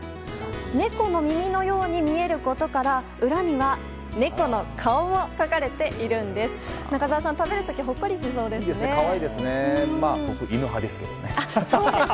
猫の耳のように見えることから裏には猫の顔が描かれているんです。